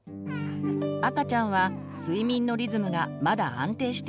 赤ちゃんは睡眠のリズムがまだ安定していません。